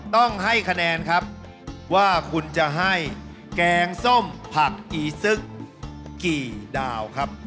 ต้องให้คะแนนครับว่าคุณจะให้แกงส้มผักอีซึกกี่ดาวครับ